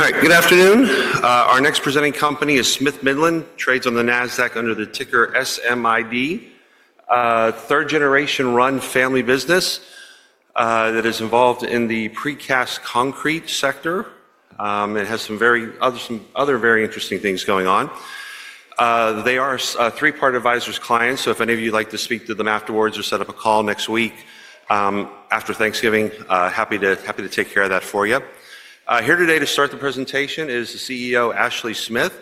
All right, good afternoon. Our next presenting company is Smith-Midland, trades on the NASDAQ under the ticker SMID. Third-generation run family business that is involved in the precast concrete sector. It has some very other very interesting things going on. They are a Three Part Advisors client, so if any of you'd like to speak to them afterwards or set up a call next week after Thanksgiving, happy to take care of that for you. Here today to start the presentation is the CEO, Ashley Smith,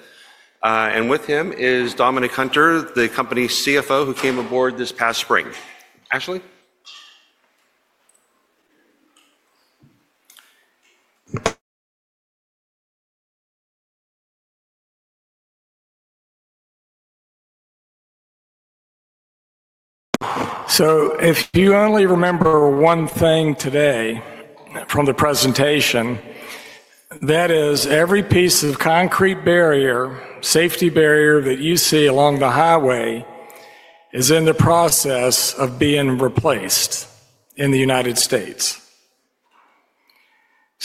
and with him is Dominic Hunter, the company's CFO who came aboard this past spring. Ashley? If you only remember one thing today from the presentation, that is every piece of concrete barrier, safety barrier that you see along the highway is in the process of being replaced in the United States.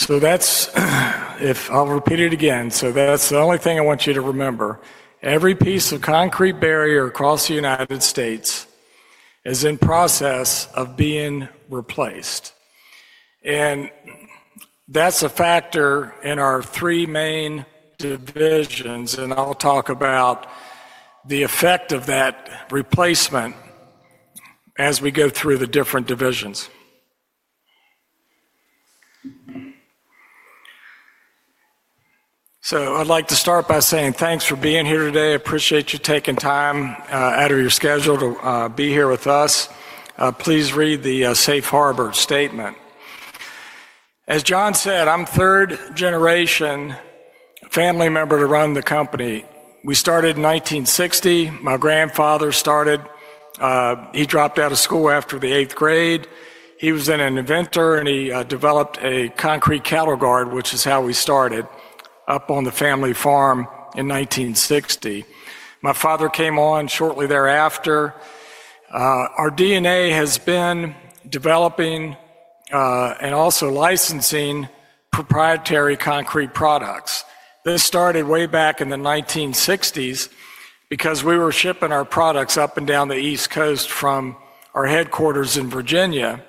I will repeat it again, that is the only thing I want you to remember. Every piece of concrete barrier across the United States is in process of being replaced. That is a factor in our three main divisions, and I will talk about the effect of that replacement as we go through the different divisions. I would like to start by saying thanks for being here today. I appreciate you taking time out of your schedule to be here with us. Please read the Safe Harbor statement. As John said, I am third-generation family member to run the company. We started in 1960. My grandfather started. He dropped out of school after the eighth grade. He was then an inventor, and he developed a concrete cattle guard, which is how we started up on the family farm in 1960. My father came on shortly thereafter. Our DNA has been developing and also licensing proprietary concrete products. This started way back in the 1960s because we were shipping our products up and down the East Coast from our headQuarters in Virginia.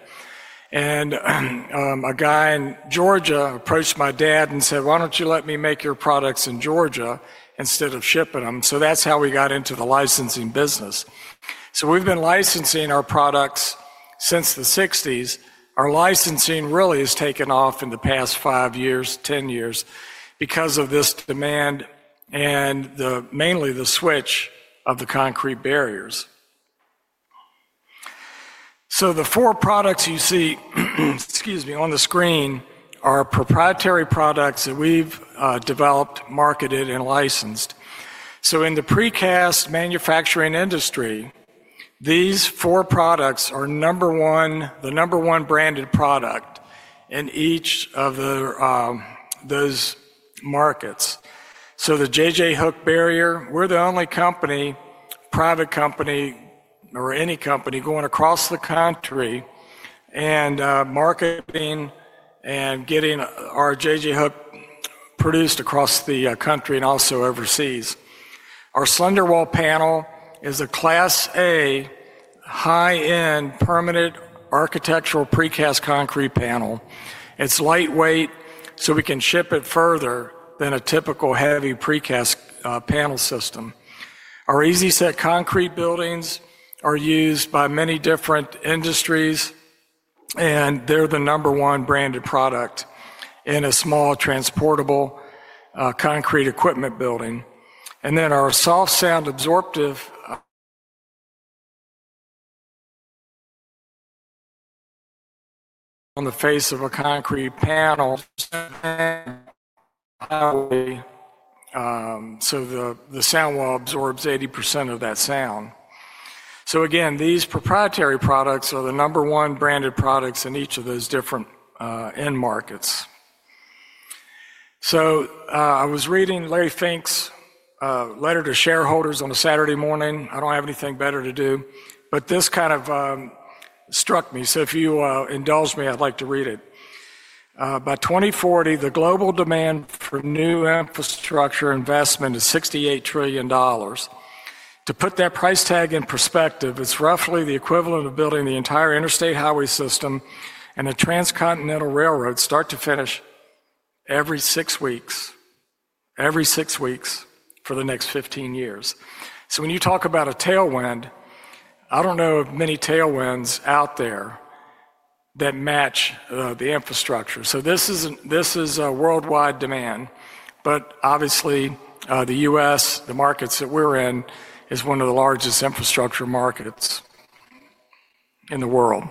A guy in Georgia approached my dad and said, "Why don't you let me make your products in Georgia instead of shipping them?" That is how we got into the licensing business. We have been licensing our products since the 1960s. Our licensing really has taken off in the past five years, ten years because of this demand and mainly the switch of the concrete barriers. The four products you see, excuse me, on the screen are proprietary products that we've developed, marketed, and licensed. In the precast manufacturing industry, these four products are the number one branded product in each of those markets. J-J Hook barrier, we're the only company, private company or any company going across the country and marketing and getting our J-J. Hook produced across the country and also overseas. Our SlenderWall panel is a Class A high-end permanent architectural precast concrete panel. It's lightweight, so we can ship it further than a typical heavy precast panel system. Our Easi-Set concrete buildings are used by many different industries, and they're the number one branded product in a small transportable concrete equipment building. Then our soft sound absorptive on the face of a concrete panel so the SoundWall absorbs 80% of that sound. Again, these proprietary products are the number one branded products in each of those different end markets. I was reading Larry Fink's letter to shareholders on a Saturday morning. I do not have anything better to do, but this kind of struck me. If you indulge me, I would like to read it. By 2040, the global demand for new infrastructure investment is $68 trillion. To put that price tag in perspective, it is roughly the equivalent of building the entire interstate highway system and a transcontinental railroad start to finish every six weeks, every six weeks for the next 15 years. When you talk about a tailwind, I do not know of many tailwinds out there that match the infrastructure. This is a worldwide demand, but obviously the U.S., the markets that we are in, is one of the largest infrastructure markets in the world.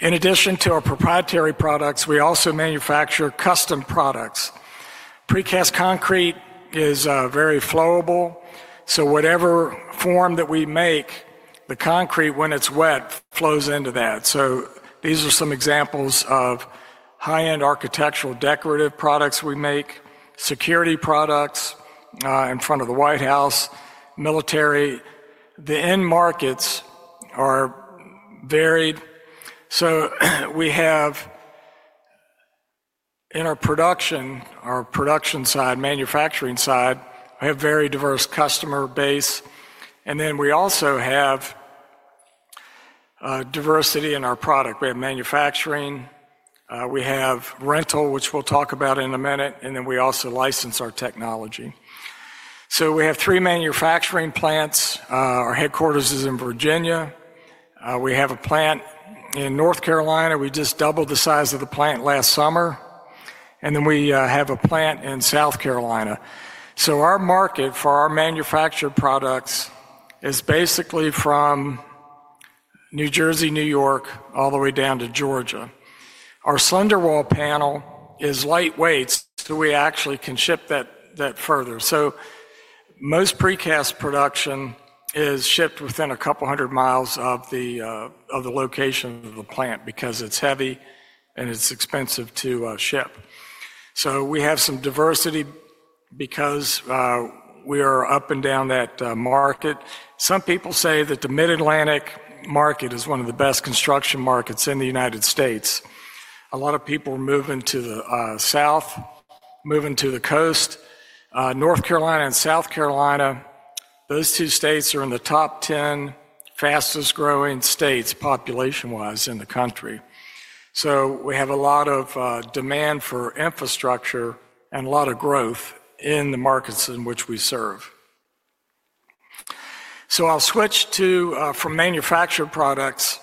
In addition to our proprietary products, we also manufacture custom products. Precast concrete is very flowable, so whatever form that we make, the concrete, when it's wet, flows into that. These are some examples of high-end architectural decorative products we make, security products in front of the White House, military. The end markets are varied. We have in our production, our production side, manufacturing side, we have a very diverse customer base. We also have diversity in our product. We have manufacturing. We have rental, which we'll talk about in a minute, and we also license our technology. We have three manufacturing plants. Our headQuarters is in Virginia. We have a plant in North Carolina. We just doubled the size of the plant last summer. We have a plant in South Carolina. Our market for our manufactured products is basically from New Jersey, New York, all the way down to Georgia. Our SlenderWall panel is lightweight, so we actually can ship that further. Most precast production is shipped within a couple hundred miles of the location of the plant because it's heavy and it's expensive to ship. We have some diversity because we are up and down that market. Some people say that the Mid-Atlantic market is one of the best construction markets in the United States. A lot of people are moving to the south, moving to the coast. North Carolina and South Carolina, those two states are in the top 10 fastest growing states population-wise in the country. We have a lot of demand for infrastructure and a lot of growth in the markets in which we serve. I'll switch from manufactured products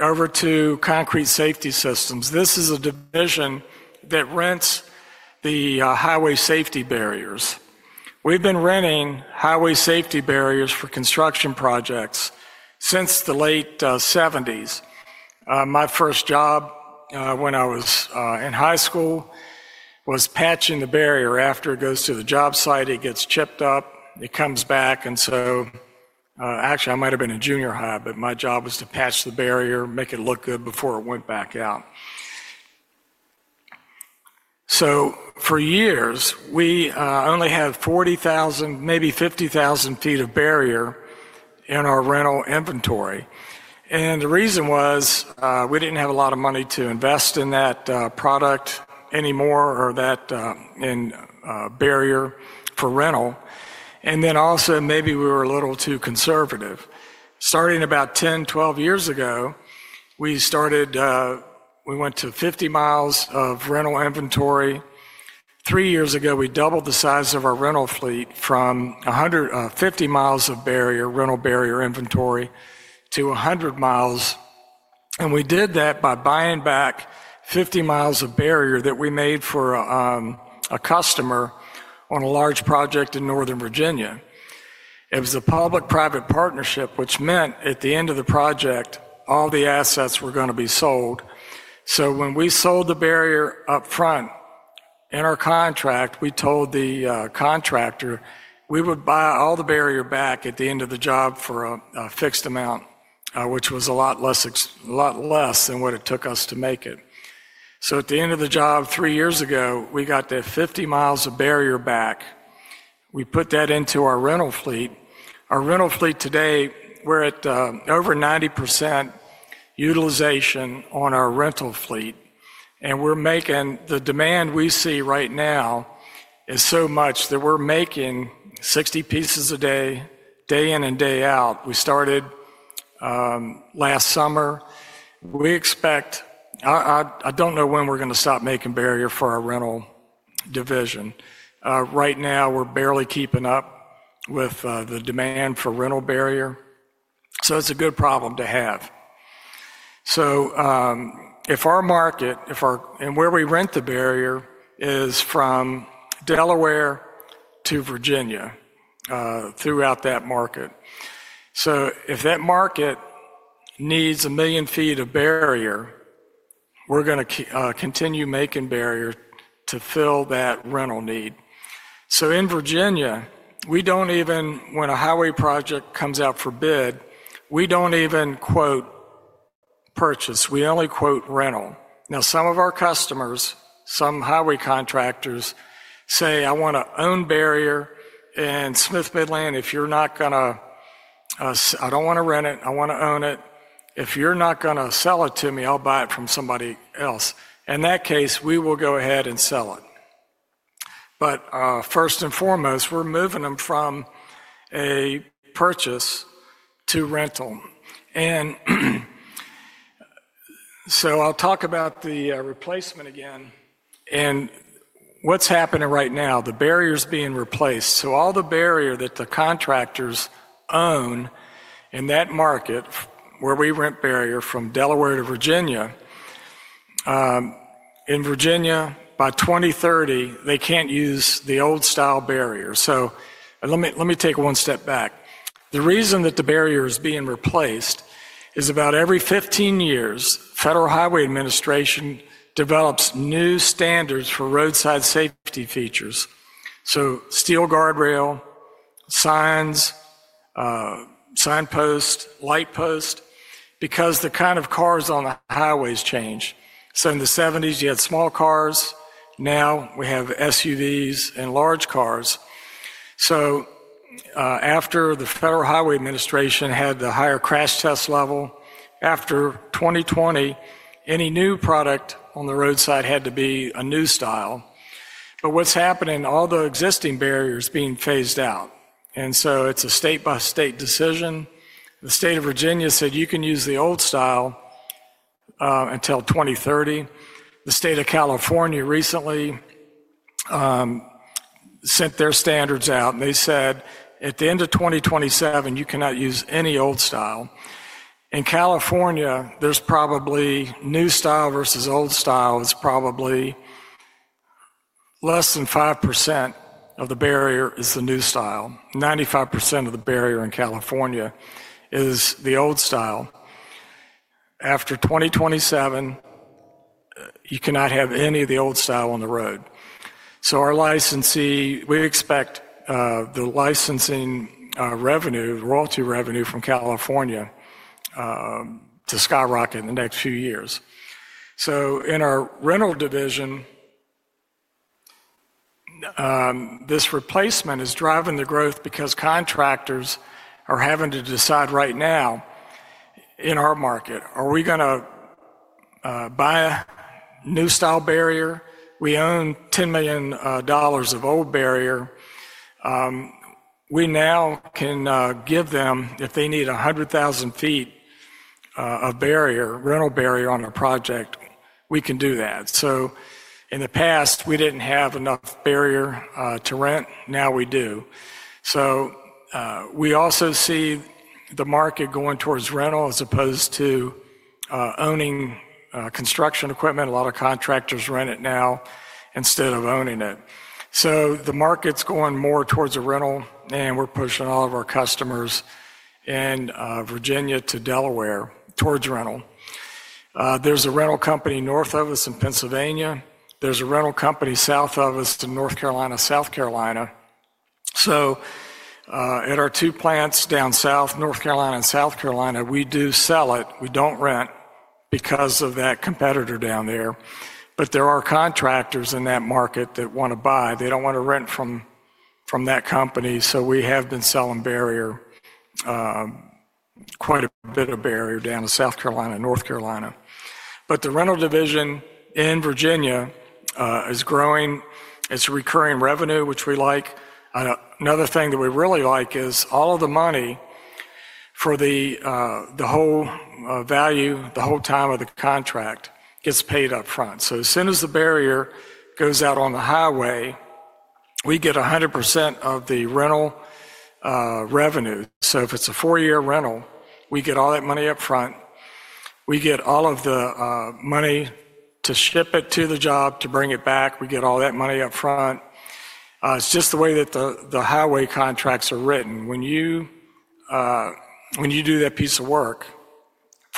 over to concrete safety systems. This is a division that rents the highway safety barriers. We've been renting highway safety barriers for construction projects since the late 1970s. My first job when I was in high school was patching the barrier. After it goes to the job site, it gets chipped up, it comes back. Actually, I might have been in junior high, but my job was to patch the barrier, make it look good before it went back out. For years, we only had 40,000, maybe 50,000 feet of barrier in our rental inventory. The reason was we didn't have a lot of money to invest in that product anymore or that barrier for rental. Also, maybe we were a little too conservative. Starting about 10-12 years ago, we went to 50 mi of rental inventory. Three years ago, we doubled the size of our rental fleet from 50 mi of rental barrier inventory to 100 mi. We did that by buying back 50 mi of barrier that we made for a customer on a large project in Northern Virginia. It was a public-private partnership, which meant at the end of the project, all the assets were going to be sold. When we sold the barrier upfront in our contract, we told the contractor we would buy all the barrier back at the end of the job for a fixed amount, which was a lot less than what it took us to make it. At the end of the job three years ago, we got that 50 mi of barrier back. We put that into our rental fleet. Our rental fleet today, we're at over 90% utilization on our rental fleet. We're making—the demand we see right now is so much that we're making 60 pieces a day, day in and day out. We started last summer. I don't know when we're going to stop making barrier for our rental division. Right now, we're barely keeping up with the demand for rental barrier. It's a good problem to have. If our market, and where we rent the barrier, is from Delaware to Virginia throughout that market, if that market needs a million feet of barrier, we're going to continue making barrier to fill that rental need. In Virginia, when a highway project comes out for bid, we don't even quote purchase. We only quote rental. Now, some of our customers, some highway contractors say, "I want to own barrier." And Smith-Midland, if you're not going to, "I don't want to rent it. I want to own it. If you're not going to sell it to me, I'll buy it from somebody else." In that case, we will go ahead and sell it. First and foremost, we're moving them from a purchase to rental. I'll talk about the replacement again and what's happening right now, the barriers being replaced. All the barrier that the contractors own in that market where we rent barrier from Delaware to Virginia, in Virginia, by 2030, they can't use the old-style barrier. Let me take one step back. The reason that the barrier is being replaced is about every 15 years, Federal Highway Administration develops new standards for roadside safety features. Steel guardrail, signs, signpost, light post, because the kind of cars on the highways change. In the 1970s, you had small cars. Now we have SUVs and large cars. After the Federal Highway Administration had the higher crash test level, after 2020, any new product on the roadside had to be a new style. What's happening, all the existing barriers are being phased out. It's a state-by-state decision. The state of Virginia said, "You can use the old style until 2030." The state of California recently sent their standards out. They said, "At the end of 2027, you cannot use any old style." In California, there's probably new style versus old style is probably less than 5% of the barrier is the new style. 95% of the barrier in California is the old style. After 2027, you cannot have any of the old style on the road. We expect the licensing revenue, royalty revenue from California to skyrocket in the next few years. In our rental division, this replacement is driving the growth because contractors are having to decide right now in our market, "Are we going to buy a new-style barrier?" We own $10 million of old barrier. We now can give them, if they need 100,000 feet of rental barrier on a project, we can do that. In the past, we did not have enough barrier to rent. Now we do. We also see the market going towards rental as opposed to owning construction equipment. A lot of contractors rent it now instead of owning it. The market is going more towards a rental, and we are pushing all of our customers in Virginia to Delaware towards rental. There is a rental company north of us in Pennsylvania. There is a rental company south of us in North Carolina, South Carolina. At our two plants down south, North Carolina and South Carolina, we do sell it. We do not rent because of that competitor down there. There are contractors in that market that want to buy. They do not want to rent from that company. We have been selling quite a bit of barrier down in South Carolina and North Carolina. The rental division in Virginia is growing. It is recurring revenue, which we like. Another thing that we really like is all of the money for the whole value, the whole time of the contract gets paid upfront. As soon as the barrier goes out on the highway, we get 100% of the rental revenue. If it is a four-year rental, we get all that money upfront. We get all of the money to ship it to the job to bring it back. We get all that money upfront. It's just the way that the highway contracts are written. When you do that piece of work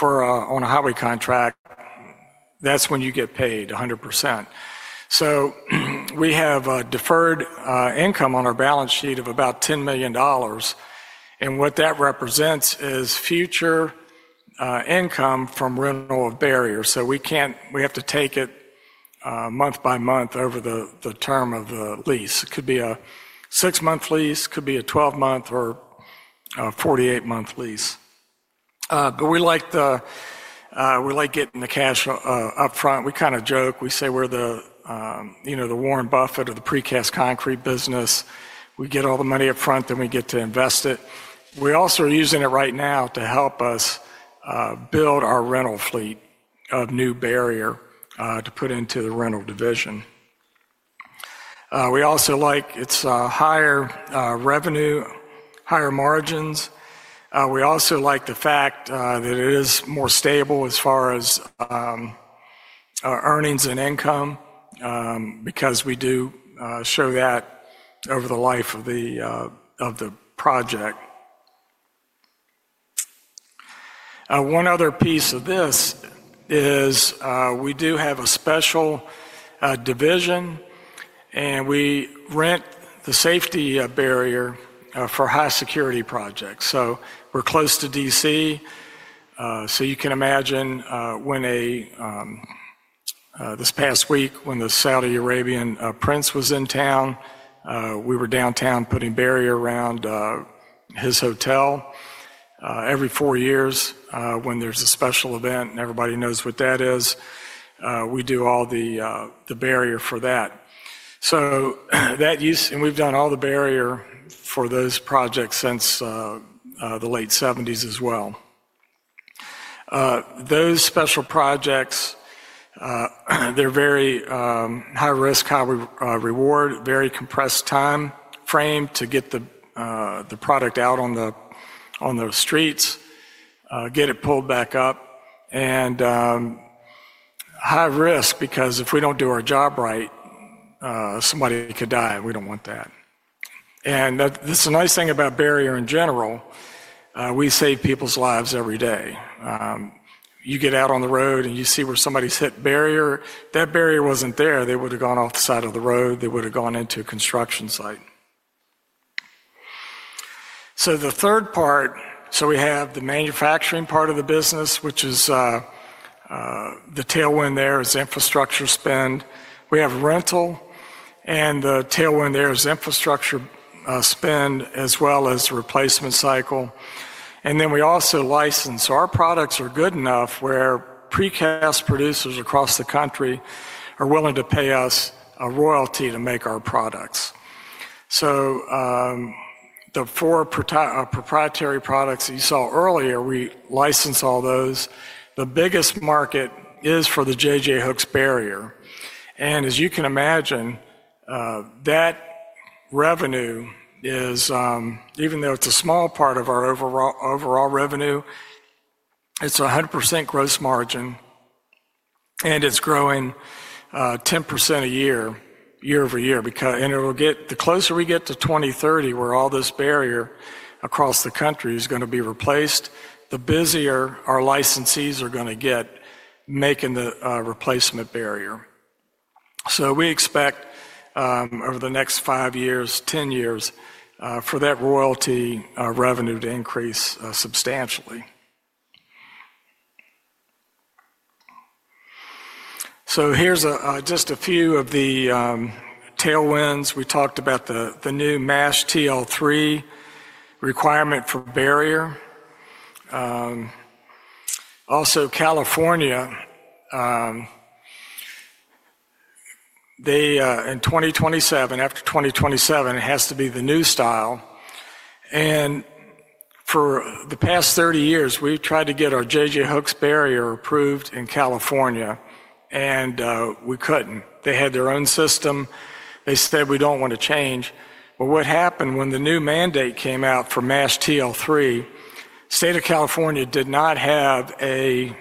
on a highway contract, that's when you get paid 100%. We have a deferred income on our balance sheet of about $10 million. What that represents is future income from rental of barriers. We have to take it month by month over the term of the lease. It could be a six-month lease, could be a 12-month or a 48-month lease. We like getting the cash upfront. We kind of joke. We say we're the Warren Buffett of the precast concrete business. We get all the money upfront, then we get to invest it. We also are using it right now to help us build our rental fleet of new barrier to put into the rental division. We also like it's higher revenue, higher margins. We also like the fact that it is more stable as far as earnings and income because we do show that over the life of the project. One other piece of this is we do have a special division, and we rent the safety barrier for high-security projects. We are close to Washington, D.C. You can imagine this past week when the Saudi Arabian prince was in town, we were downtown putting barrier around his hotel. Every four years, when there is a special event and everybody knows what that is, we do all the barrier for that. We have done all the barrier for those projects since the late 1970s as well. Those special projects, they are very high-risk, high-reward, very compressed time frame to get the product out on the streets, get it pulled back up. High risk because if we don't do our job right, somebody could die. We don't want that. That's the nice thing about barrier in general. We save people's lives every day. You get out on the road and you see where somebody's hit barrier. If that barrier wasn't there, they would have gone off the side of the road. They would have gone into a construction site. The third part, we have the manufacturing part of the business, which is the tailwind there is infrastructure spend. We have rental, and the tailwind there is infrastructure spend as well as the replacement cycle. We also license. Our products are good enough where precast producers across the country are willing to pay us a royalty to make our products. The four proprietary products that you saw earlier, we license all those. The biggest market is for J-J Hooks barrier. As you can imagine, that revenue is, even though it's a small part of our overall revenue, it's 100% gross margin, and it's growing 10% a year, year over year. The closer we get to 2030, where all this barrier across the country is going to be replaced, the busier our licensees are going to get making the replacement barrier. We expect over the next five years, 10 years, for that royalty revenue to increase substantially. Here are just a few of the tailwinds. We talked about the new MASH TL3 requirement for barrier. Also, California, in 2027, after 2027, it has to be the new style. For the past 30 years, we've tried to get our J-J Hooks barrier approved in California, and we couldn't. They had their own system. They said, "We don't want to change." What happened when the new mandate came out for MASH TL3, state of California did not have a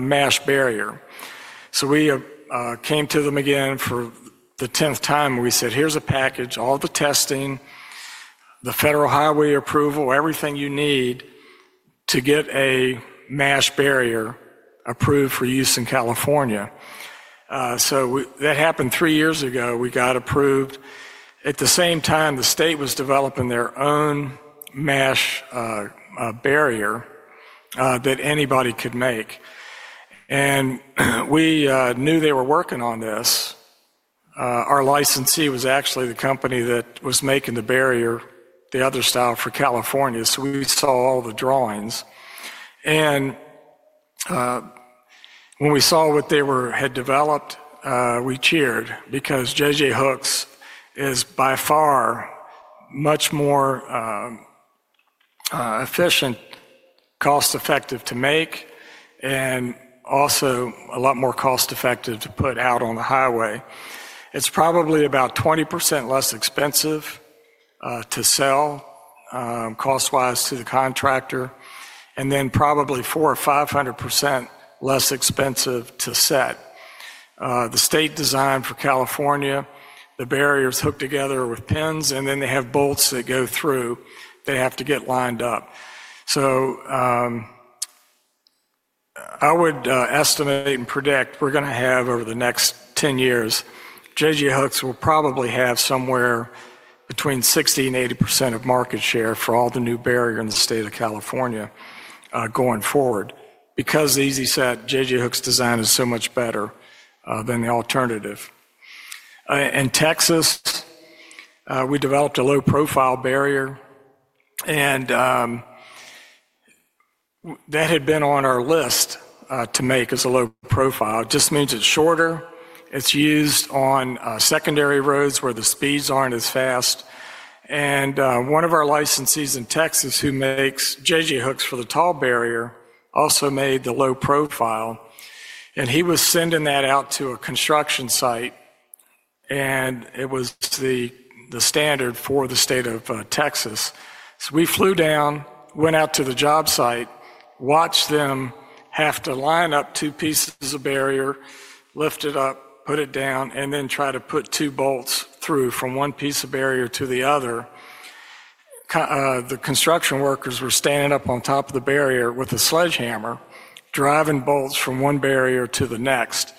MASH barrier. We came to them again for the tenth time. We said, "Here's a package, all the testing, the Federal Highway approval, everything you need to get a MASH barrier approved for use in California." That happened three years ago. We got approved. At the same time, the state was developing their own MASH barrier that anybody could make. We knew they were working on this. Our licensee was actually the company that was making the barrier, the other style for California. We saw all the drawings. When we saw what they had developed, we cheered because J-J Hooks is by far much more efficient, cost-effective to make, and also a lot more cost-effective to put out on the highway. It's probably about 20% less expensive to sell cost-wise to the contractor, and then probably 400% or 500% less expensive to set. The state designed for California, the barriers hooked together with pins, and then they have bolts that go through. They have to get lined up. I would estimate and predict we're going to have over the next 10 years, J-J Hooks will probably have somewhere between 60-80% of market share for all the new barrier in the state of California going forward because the Easi-Set J-J Hooks design is so much better than the alternative. In Texas, we developed a low-profile barrier, and that had been on our list to make as a low profile. It just means it's shorter. It's used on secondary roads where the speeds aren't as fast. One of our licensees in Texas who makes J-J Hooks for the tall barrier also made the low profile. He was sending that out to a construction site, and it was the standard for the state of Texas. We flew down, went out to the job site, watched them have to line up two pieces of barrier, lift it up, put it down, and then try to put two bolts through from one piece of barrier to the other. The construction workers were standing up on top of the barrier with a sledgehammer, driving bolts from one barrier to the next.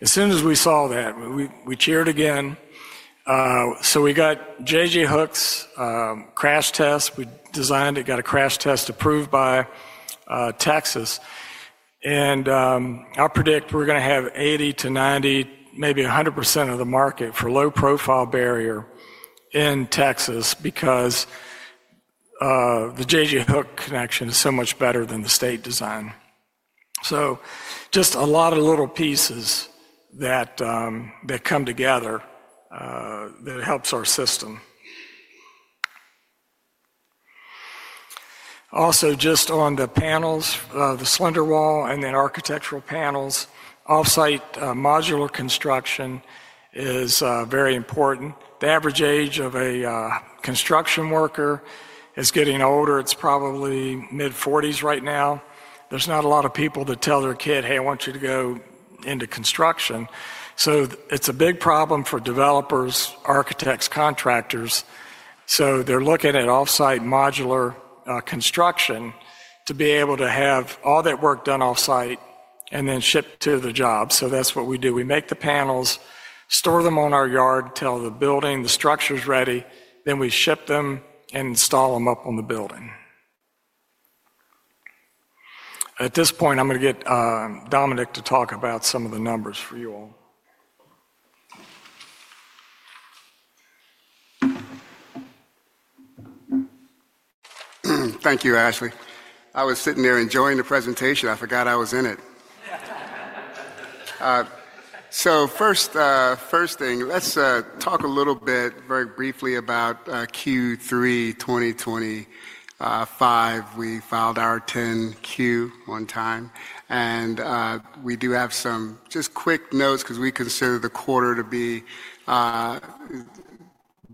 As soon as we saw that, we cheered again. We got J-J Hooks crash test. We designed it, got a crash test approved by Texas. I predict we're going to have 80%-90%, maybe 100% of the market for low-profile barrier in Texas because the J-J Hook connection is so much better than the state design. Just a lot of little pieces that come together that helps our system. Also, just on the panels, the SlenderWall and then architectural panels, off-site modular construction is very important. The average age of a construction worker is getting older. It's probably mid-40s right now. There's not a lot of people that tell their kid, "Hey, I want you to go into construction." It's a big problem for developers, architects, contractors. They're looking at off-site modular construction to be able to have all that work done off-site and then ship to the job. That's what we do. We make the panels, store them on our yard, tell the building, the structure's ready, then we ship them and install them up on the building. At this point, I'm going to get Dominic to talk about some of the numbers for you all. Thank you, Ashley. I was sitting there enjoying the presentation. I forgot I was in it. First thing, let's talk a little bit very briefly about Q3 2025. We filed our 10Q on time. We do have some just quick notes because we consider the Quarter to be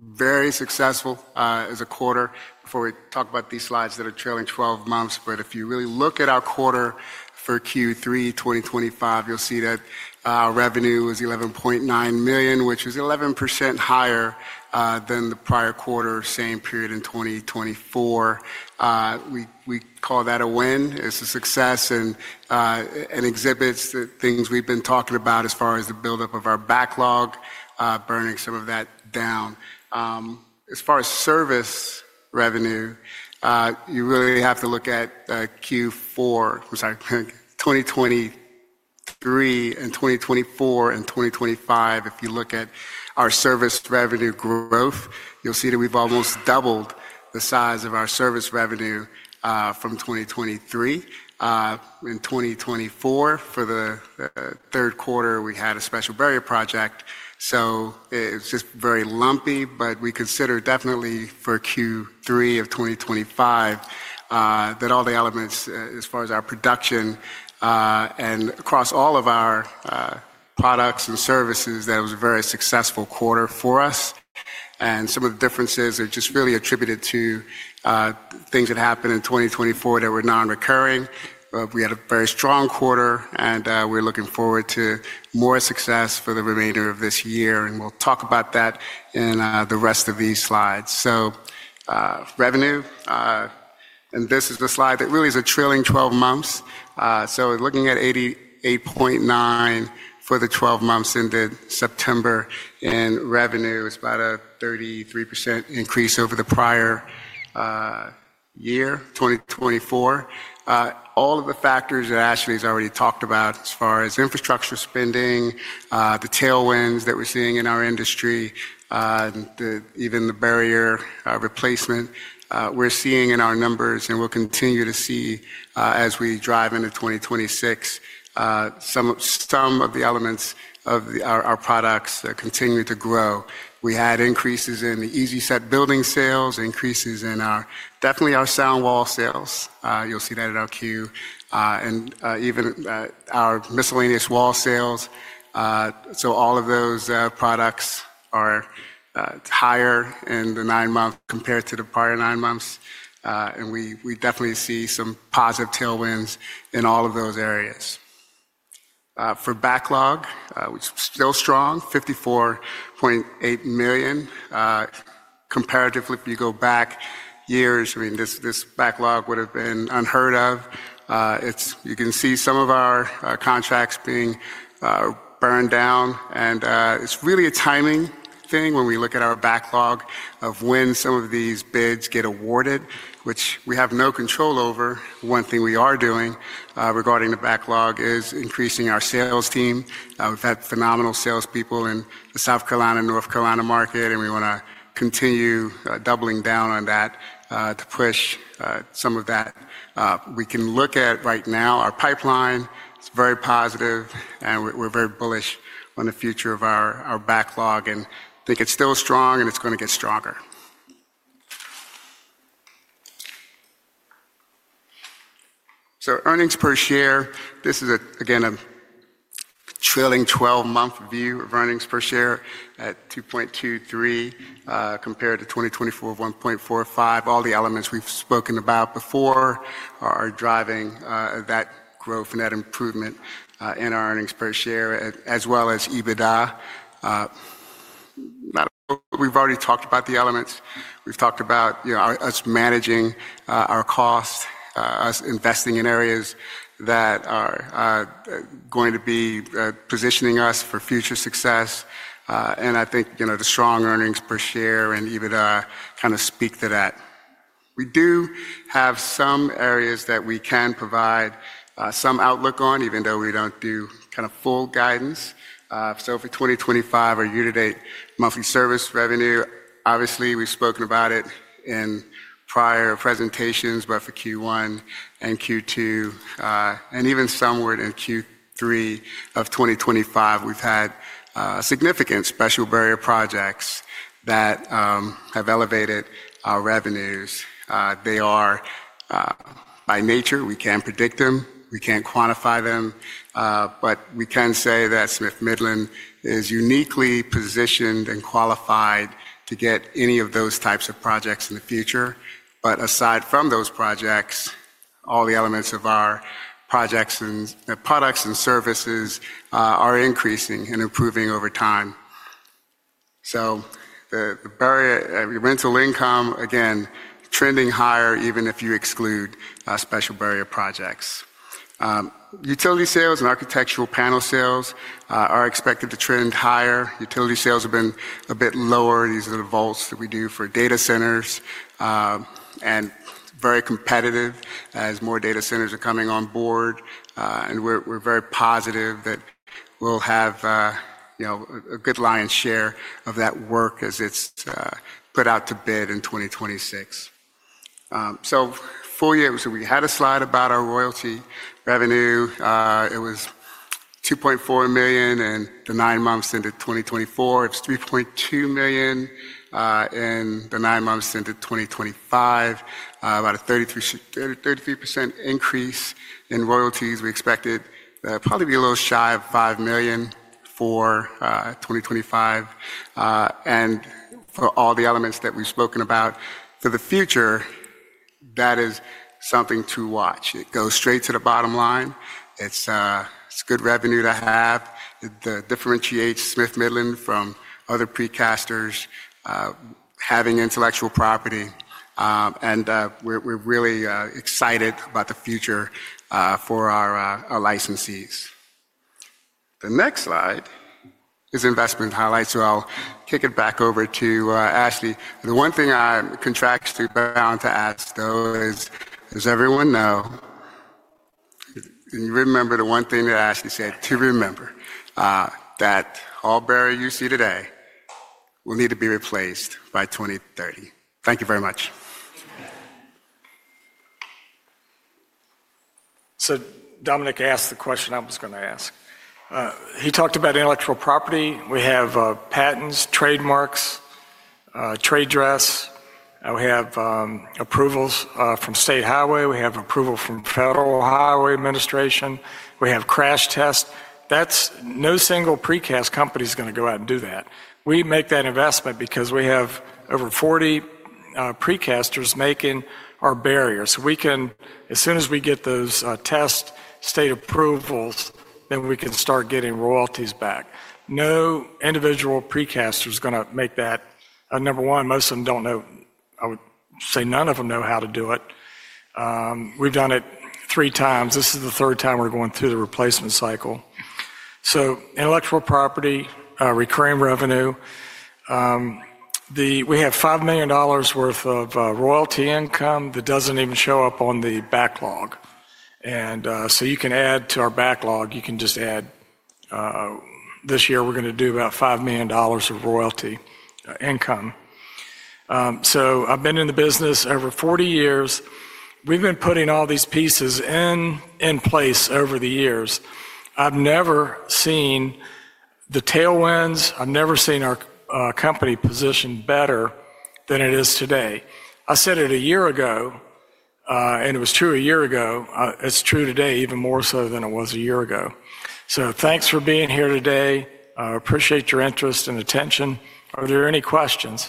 very successful as a Quarter before we talk about these slides that are trailing 12 months. If you really look at our Quarter for Q3 2025, you'll see that our revenue was $11.9 million, which is 11% higher than the prior Quarter, same period in 2024. We call that a win. It's a success and exhibits the things we've been talking about as far as the buildup of our backlog, burning some of that down. As far as service revenue, you really have to look at Q4, I'm sorry, 2023 and 2024 and 2025. If you look at our service revenue growth, you'll see that we've almost doubled the size of our service revenue from 2023. In 2024, for the Third Quarter, we had a special barrier project. It is just very lumpy, but we consider definitely for Q3 of 2025 that all the elements as far as our production and across all of our products and services, that it was a very successful Quarter for us. Some of the differences are just really attributed to things that happened in 2024 that were non-recurring. We had a very strong Quarter, and we're looking forward to more success for the remainder of this year. We will talk about that in the rest of these slides. Revenue, and this is the slide that really is a trailing 12 months. Looking at $88.9 million for the 12 months into September in revenue, it's about a 33% increase over the prior year, 2024. All of the factors that Ashley has already talked about as far as infrastructure spending, the tailwinds that we're seeing in our industry, even the barrier replacement, we're seeing in our numbers, and we will continue to see as we drive into 2026, some of the elements of our products continue to grow. We had increases in the Easi-Set Buildings sales, increases in definitely our SoundWall sales. You will see that in our queue, and even our miscellaneous wall sales. All of those products are higher in the nine months compared to the prior nine months. We definitely see some positive tailwinds in all of those areas. For backlog, which is still strong, $54.8 million. Comparatively, if you go back years, I mean, this backlog would have been unheard of. You can see some of our contracts being burned down. It is really a timing thing when we look at our backlog of when some of these bids get awarded, which we have no control over. One thing we are doing regarding the backlog is increasing our sales team. We've had phenomenal salespeople in the South Carolina and North Carolina market, and we want to continue doubling down on that to push some of that. We can look at right now our pipeline. It is very positive, and we're very bullish on the future of our backlog. I think it's still strong, and it's going to get stronger. Earnings per share, this is, again, a trailing 12-month view of earnings per share at $2.23 compared to 2024 of $1.45. All the elements we've spoken about before are driving that growth and that improvement in our earnings per share, as well as EBITDA. We've already talked about the elements. We've talked about us managing our costs, us investing in areas that are going to be positioning us for future success. I think the strong earnings per share and EBITDA kind of speak to that. We do have some areas that we can provide some outlook on, even though we don't do kind of full guidance. For 2025, our year-to-date monthly service revenue, obviously, we've spoken about it in prior presentations, but for Q1 and Q2, and even somewhere in Q3 of 2025, we've had significant special barrier projects that have elevated our revenues. They are by nature. We can't predict them. We can't quantify them. We can say that Smith-Midland is uniquely positioned and qualified to get any of those types of projects in the future. Aside from those projects, all the elements of our projects and products and services are increasing and improving over time. The rental income, again, trending higher, even if you exclude special barrier projects. Utility sales and architectural panel sales are expected to trend higher. Utility sales have been a bit lower. These are the volts that we do for data centers and very competitive as more data centers are coming on board. We are very positive that we will have a good lion's share of that work as it is put out to bid in 2026. Full year, we had a slide about our royalty revenue. It was $2.4 million in the nine months into 2024. It is $3.2 million in the nine months into 2025, about a 33% increase in royalties. We expected that it would probably be a little shy of $5 million for 2025. For all the elements that we have spoken about for the future, that is something to watch. It goes straight to the bottom line. It is good revenue to have. It differentiates Smith-Midland from other precasters having intellectual property. We are really excited about the future for our licensees. The next slide is investment highlights. I will kick it back over to Ashley. The one thing I am contractually bound to ask, though, is does everyone know? You remember the one thing that Ashley said to remember, that all barrier you see today will need to be replaced by 2030. Thank you very much. Dominic asked the question I was going to ask. He talked about intellectual property. We have patents, trademarks, trade dress. We have approvals from State Highway. We have approval from Federal Highway Administration. We have crash tests. No single precast company is going to go out and do that. We make that investment because we have over 40 precasters making our barriers. As soon as we get those test state approvals, then we can start getting royalties back. No individual precaster is going to make that a number one. Most of them do not know. I would say none of them know how to do it. We have done it three times. This is the third time we are going through the replacement cycle. Intellectual property, recurring revenue. We have $5 million worth of royalty income that does not even show up on the backlog. You can add to our backlog. You can just add this year, we're going to do about $5 million of royalty income. I've been in the business over 40 years. We've been putting all these pieces in place over the years. I've never seen the tailwinds. I've never seen our company position better than it is today. I said it a year ago, and it was true a year ago. It's true today even more so than it was a year ago. Thanks for being here today. I appreciate your interest and attention. Are there any questions?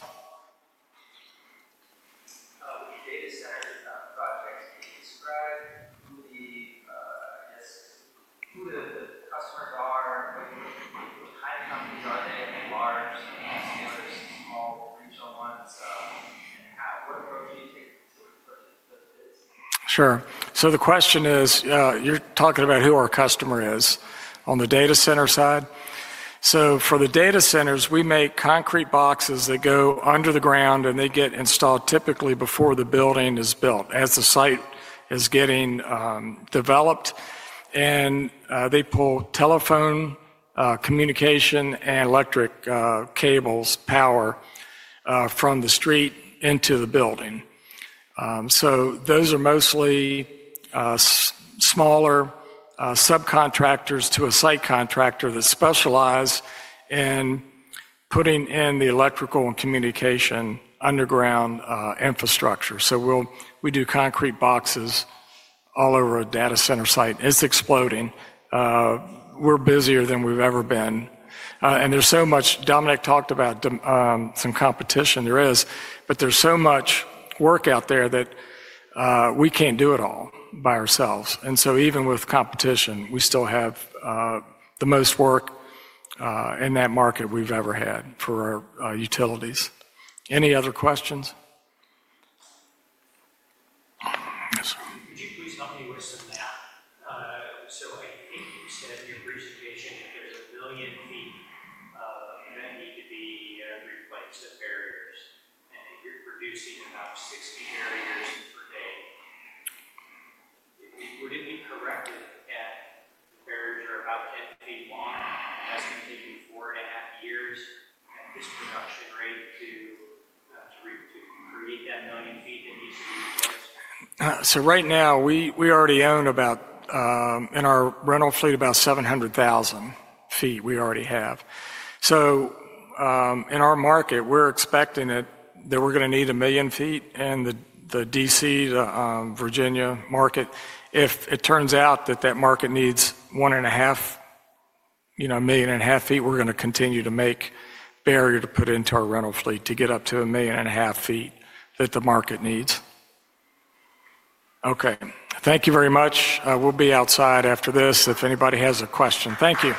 Would your data center projects be described? Who the customers are? What kind of companies are they? Are they large scalers, small regional ones? What approach do you take to look at those bids? Sure. The question is, you're talking about who our customer is on the data center side. For the data centers, we make concrete boxes that go under the ground, and they get installed typically before the building is built as the site is getting developed. They pull telephone communication and electric cables, power from the street into the building. Those are mostly smaller subcontractors to a site contractor that specialize in putting in the electrical and communication underground infrastructure. We do concrete boxes all over a data center site. It's exploding. We're busier than we've ever been. There's so much Dominic talked about, some competition there is, but there's so much work out there that we can't do it all by ourselves. Even with competition, we still have the most work in that market we've ever had for our utilities. Any other questions? Could you please help me with some math? I think you said in your presentation that there's a million feet that need to be replaced of barriers. You're producing about 60 barriers per day. Would it be correct that the barriers are about 10 feet long, estimated to be four and a half years at this production rate to create that million feet that needs to be replaced? Right now, we already own about, in our rental fleet, about 700,000 feet we already have. In our market, we're expecting that we're going to need a million feet in the Washinton D.C. to Virginia market. If it turns out that that market needs one and a half, a million and a half feet, we're going to continue to make barrier to put into our rental fleet to get up to a million and a half feet that the market needs. Okay. Thank you very much. We'll be outside after this if anybody has a question. Thank you.